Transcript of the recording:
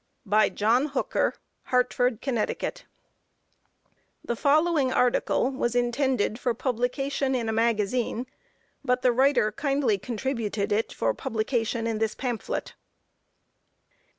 By JOHN HOOKER, Hartford, Conn. The following article was intended for publication in a magazine, but the writer kindly contributed it for publication in this pamphlet.